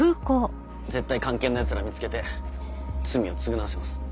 絶対菅研のヤツら見つけて罪を償わせます。